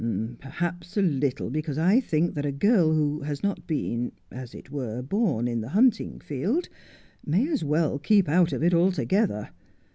' Perhaps a little because I think that a girl who has not been, as it were, born in a hunting field, may as well keep out of it altogether.